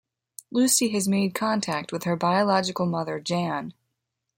Lucy has made contact with her biological mother Jan.